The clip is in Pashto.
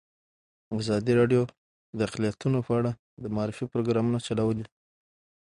ازادي راډیو د اقلیتونه په اړه د معارفې پروګرامونه چلولي.